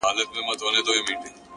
ځمه له روحه مي بدن د گلبدن را باسم!!